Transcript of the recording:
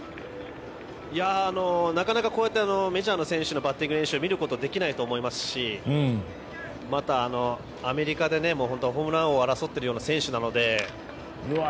なかなかこうやってメジャー選手のバッティング練習を見ることはできないと思いますしまた、アメリカでホームラン王を争っているような選手なので。